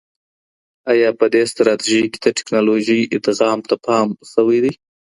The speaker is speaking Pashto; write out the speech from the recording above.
آیا په دې ستراتیژۍ کي د ټیکنالوژۍ ادغام ته پام سوی دی؟